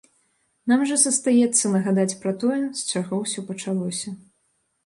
Нам жа застаецца нагадаць пра тое, з чаго ўсё пачалося.